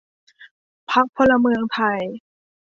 พรรคพลเมืองไทย